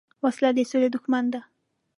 وسله د سولې دښمن ده